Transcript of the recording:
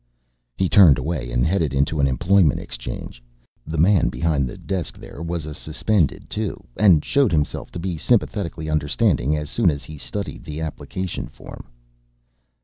He turned away and headed into an Employment Exchange. The man behind the desk there was a Suspended, too, and showed himself to be sympathetically understanding as soon as he studied the application form.